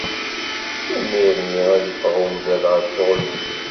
Imir-nni, ad iffeɣ umdan ɣer ccɣel-is.